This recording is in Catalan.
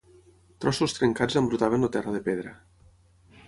Trossos trencats embrutaven el terra de pedra.